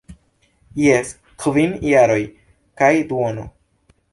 Jes, kvin jaroj kaj duono.